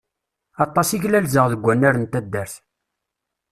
Aṭas i glalzeɣ deg wannar n taddart.